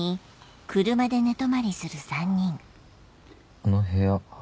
あの部屋